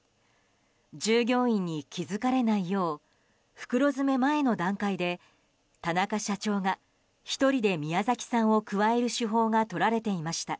従業員に気づかれないよう袋詰め前の段階で田中社長が１人で宮崎産を加える手法が取られていました。